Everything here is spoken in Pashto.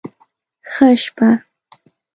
ښه شپه